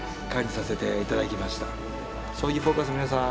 「将棋フォーカス」の皆さん